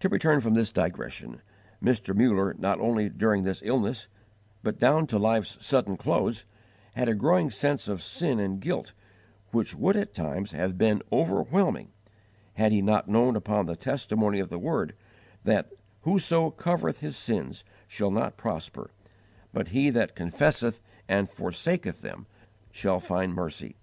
To return from this digression, Mr. Muller, not only during this illness, but down to life's sudden close, had a growing sense of sin and guilt which would at times have been overwhelming, had he not known upon the testimony of the Word that "whoso covereth his sins shall not prosper, but he that confesseth and forsaketh them shall find mercy."